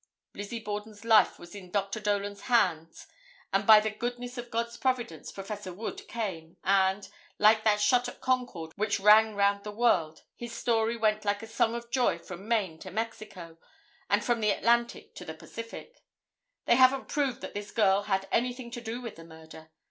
Lizzie Borden's life was in Dr. Dolan's hands and by the goodness of God's providence Prof. Wood came, and, like that shot at Concord, which rang round the world, his story went like a song of joy from Maine to Mexico and from the Atlantic to the Pacific. They haven't proved that this girl had anything to do with the murder.